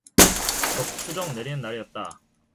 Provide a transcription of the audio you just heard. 적추적 내리는 날이었다.